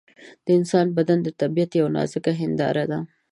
د انسان بدن د طبیعت یوه نازکه هنداره ده.